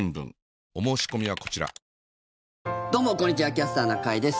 「キャスターな会」です。